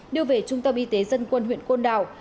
đưa về trung tâm y tế dân quân huyện côn đảo